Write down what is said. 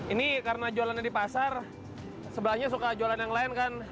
ini karena jualannya di pasar sebelahnya suka jualan yang lain kan